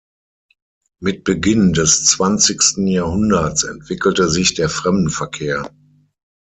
Mit Beginn des zwanzigsten Jahrhunderts entwickelte sich der Fremdenverkehr.